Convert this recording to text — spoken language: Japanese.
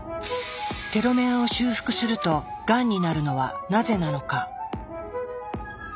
テロメアを修復するとがんになるのはなぜなのか？